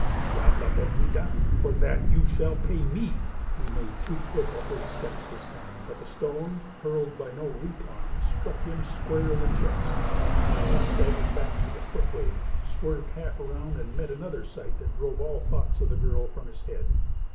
Diabla bonita, for that you shall pay me." He made two quick upward steps this time, but the stone, hurled by no weak arm, struck him square in the chest. He staggered back to the footway, swerved half around, and met another sight that drove all thoughts of the girl from his head.